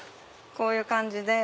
こういう感じで。